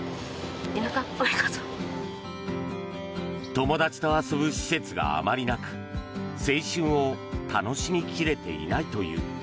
友達と遊ぶ施設があまりなく青春を楽しみ切れていないという。